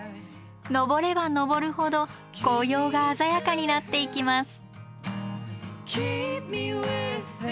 登れば登るほど紅葉が鮮やかになっていきます。